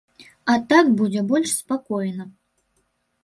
А так будзе больш спакойна.